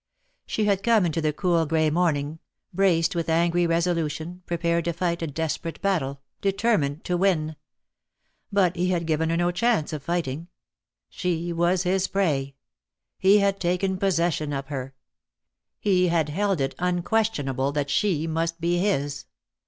She had come into the cool grey morning, braced with angry resolution, prepared to fight a desperate battle, determined to win. But he had given her no chance of fighting. She was his prey. He had taken possession of her. He had held it unquestionable that she must be his.